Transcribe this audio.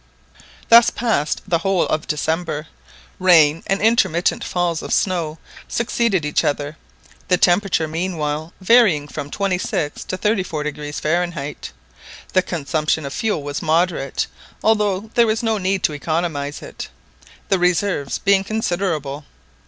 Thus passed the whole of December, rain and intermittent falls of snow succeeded each other, the temperature meanwhile varying from 26° to 34° Fahrenheit. The consumption of fuel was moderate, although there was no need to economise it, the reserves being considerable.